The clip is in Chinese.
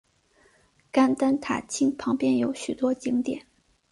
甘丹塔钦旁边有许多景点。